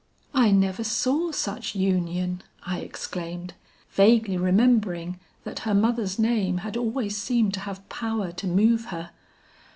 "'I never saw such union!' I exclaimed, vaguely remembering that her mother's name had always seemed to have power to move her.